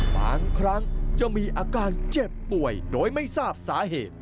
บางครั้งจะมีอาการเจ็บป่วยโดยไม่ทราบสาเหตุ